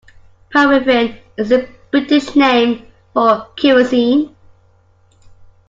Paraffin is the British name for kerosene